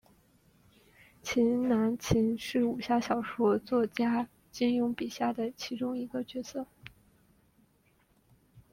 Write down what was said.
秦南琴是武侠小说作家金庸笔下的其中一个角色。